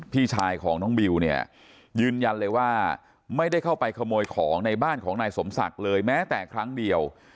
พี่ชายของน้องบิวเนี่ยยืนยันเลยว่าไม่ได้เข้าไปขโมยของในบ้านของนายสมศักดิ์เลยแม้แต่ครั้งเดียว